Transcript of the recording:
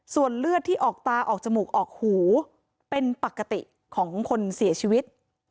ส่วนเลือดที่ออกตาออกจมูกออกหูเป็นปกติของคนเสียชีวิต